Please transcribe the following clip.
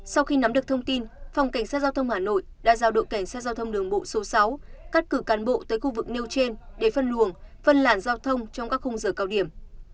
sau khi nắm được thông tin phòng cảnh sát giao thông hà nội đã giao đội cảnh sát giao thông đường bộ số sáu cắt cử cán bộ tới khu vực nêu trên để phân luồng phân làn giao thông trong các khung giờ cao điểm